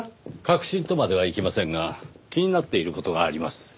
確信とまではいきませんが気になっている事があります。